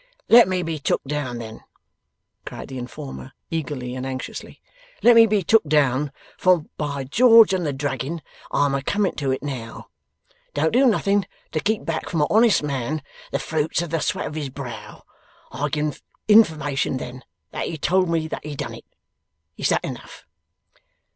'Let me be took down then!' cried the informer, eagerly and anxiously. 'Let me be took down, for by George and the Draggin I'm a coming to it now! Don't do nothing to keep back from a honest man the fruits of the sweat of his brow! I give information, then, that he told me that he done it. Is THAT enough?